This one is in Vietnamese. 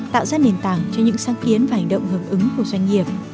tạo ra nền tảng cho những sáng kiến và hành động hợp ứng của doanh nghiệp